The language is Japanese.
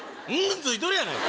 付いとるやないか！